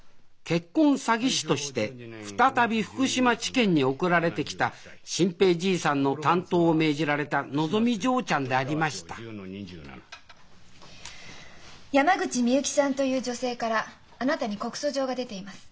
結婚詐欺師として再び福島地検に送られてきた新平じいさんの担当を命じられたのぞみ嬢ちゃんでありました山口美幸さんという女性からあなたに告訴状が出ています。